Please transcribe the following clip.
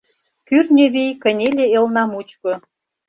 Кӱртньӧ вий кынеле элна мучко.